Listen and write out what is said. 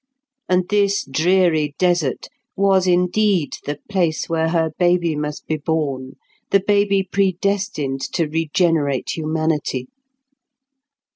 And this dreary desert was indeed the place where her baby must be born, the baby predestined to regenerate humanity!